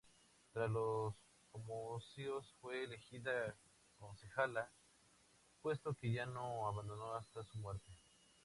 Tras los comicios, fue elegida concejala, puesto que ya no abandonó hasta su muerte.